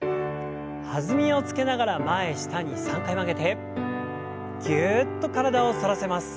弾みをつけながら前下に３回曲げてぎゅっと体を反らせます。